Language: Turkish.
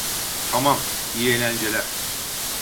Tamam, iyi eğlenceler.